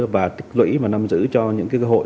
và tích lũy và nắm giữ cho những cơ hội